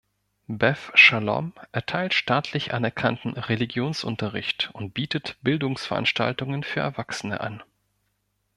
Beth Shalom erteilt staatlich anerkannten Religionsunterricht und bietet Bildungsveranstaltungen für Erwachsene an.